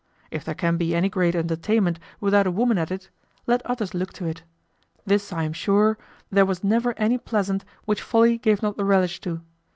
If there can be any great entertainment without a woman at it, let others look to it. This I am sure, there was never any pleasant which folly gave not the relish to.